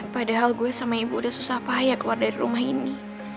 padahal gue sama ibu udah susah payah keluar dari rumah ini